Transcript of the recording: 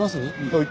はい。